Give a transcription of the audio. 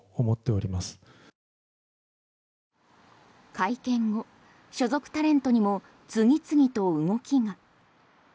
会見後、所属タレントにも次々と動きが。